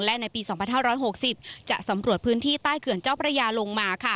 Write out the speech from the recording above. และในปี๒๕๖๐จะสำรวจพื้นที่ใต้เขื่อนเจ้าพระยาลงมา